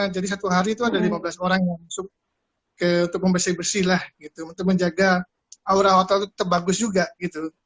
jadi satu hari itu ada lima belas orang yang masuk untuk membersih bersih lah gitu untuk menjaga aura hotel itu tetap bagus juga gitu